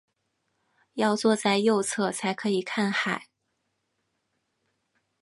要坐在右侧才可以看海